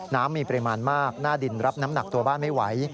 น้ำมีปริมาณมากหน้าดินรับน้ำหนักตัวบ้านไม่ไหว